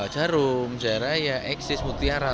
jarum jaya raya eksis mutiara